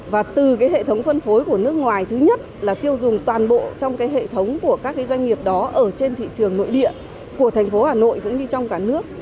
và từ hệ thống phân phối của nước ngoài thứ nhất là tiêu dùng toàn bộ trong hệ thống của các doanh nghiệp đó ở trên thị trường nội địa của thành phố hà nội cũng như trong cả nước